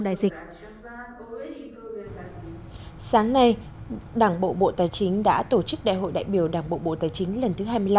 đại dịch sáng nay đảng bộ bộ tài chính đã tổ chức đại hội đại biểu đảng bộ bộ tài chính lần thứ hai mươi năm